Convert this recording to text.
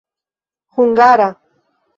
hungara